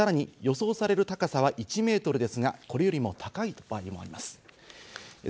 さらに、予想される高さは１ｍですが、これよりも高い場合もあります。